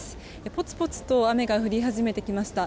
ぽつぽつと雨が降り始めてきました。